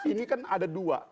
ini kan ada dua